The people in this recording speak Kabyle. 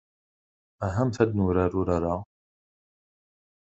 Ahamt ad nurar urar-a.